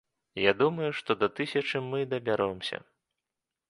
Я думаю, што да тысячы мы дабяромся.